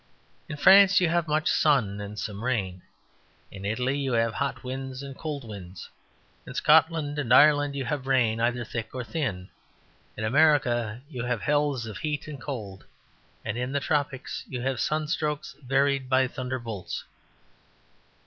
In France you have much sun and some rain; in Italy you have hot winds and cold winds; in Scotland and Ireland you have rain, either thick or thin; in America you have hells of heat and cold, and in the Tropics you have sunstrokes varied by thunderbolts.